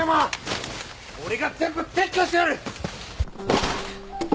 俺が全部撤去してやる！